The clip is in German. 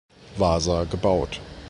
Wasa gebaut.